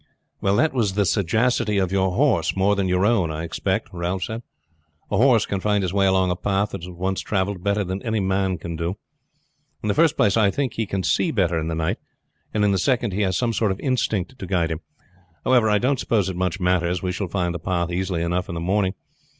"That was the sagacity of your horse more than your own, I expect," Ralph said. "A horse can find his way along a path he has once traveled better than any man can do. In the first place, I think he can see better in the night; and in the second, he has some sort of instinct to guide him. However, I don't suppose it much matters; we shall find the path easily enough in the morning.